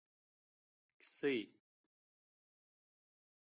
کیسۍ